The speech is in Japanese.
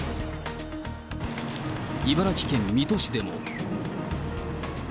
茨城県水戸市でも。